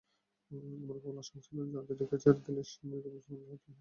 তার প্রবল আশঙ্কা ছিল, যারীদকে ছেড়ে দিলে সে নির্ঘাত মুসলমানদের হাতে নিহত হবে।